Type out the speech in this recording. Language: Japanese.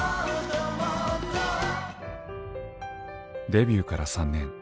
デビューから３年。